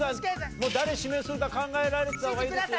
もう誰指名するか考えられてた方がいいですよ。